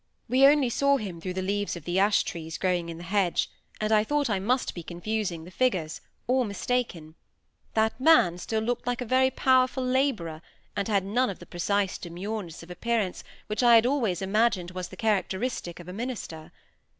We only saw him through the leaves of the ash trees growing in the hedge, and I thought I must be confusing the figures, or mistaken: that man still looked like a very powerful labourer, and had none of the precise demureness of appearance which I had always imagined was the characteristic of a minister.